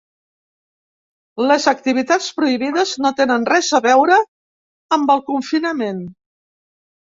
Les activitats prohibides no tenen res a veure amb el confinament.